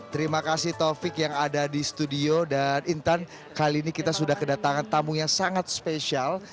terima kasih taufik yang ada di studio dan intan kali ini kita sudah kedatangan tamu yang sangat spesial